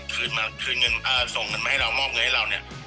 คืนมาคืนเงินส่งเงินมาให้เรามอบเงินให้เราเนี่ย